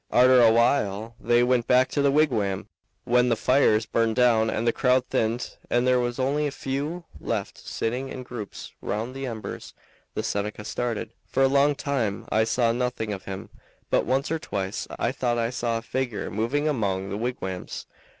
Arter a while they went back to the wigwam. When the fires burned down and the crowd thinned, and there was only a few left sitting in groups round the embers, the Seneca started. For a long time I saw nothing of him, but once or twice I thought I saw a figure moving among the wigwams.